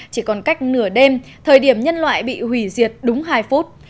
chỉ còn cách nửa đêm thời điểm nhân loại bị hủy diệt đúng hai phút